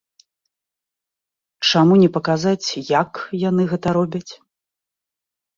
Чаму не паказаць, як яны гэта робяць?